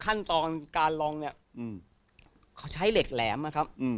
ขั้นตอนการลองเนี่ยเขาใช้เหล็กแหลมนะครับ